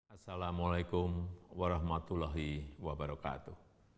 assalamu'alaikum warahmatullahi wabarakatuh